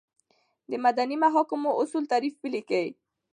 دمدني محاکماتو اصولو تعریف ولیکئ ؟